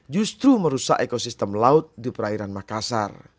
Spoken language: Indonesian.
justru merusak ekosistem laut di perairan makassar